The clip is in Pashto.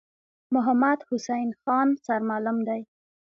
محمدحسین خان سرمعلم دی.